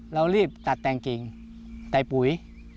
เรารีบตัดแต่งกิ่งใส่ปุ๋ย